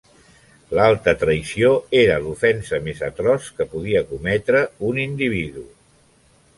L'alta traïció era l'ofensa més atroç que podia cometre un individu.